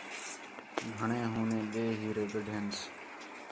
گھݨیں ہُو نے ٻئے ہیرے گڈھینس